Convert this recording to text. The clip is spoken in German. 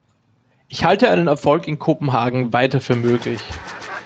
Ich halte einen Erfolg in Kopenhagen weiter für möglich.